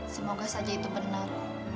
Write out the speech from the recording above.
semoga saja itu benar